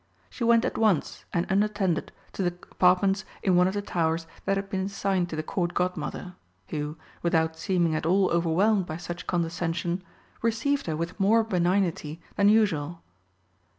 She went at once, and unattended, to the apartments in one of the towers that had been assigned to the Court Godmother, who, without seeming at all overwhelmed by such condescension, received her with more benignity than usual.